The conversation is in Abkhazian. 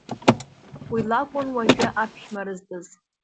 Уи лакәын уажәы аԥшәмара зтәыз.